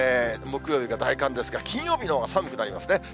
木曜日が大寒ですが、金曜日のほうが寒くなりますね。